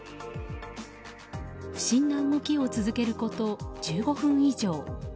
不審な動きを続けること１５分以上。